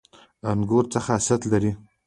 انګور څه خاصیت لري؟